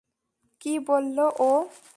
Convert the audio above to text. কি বললো ও?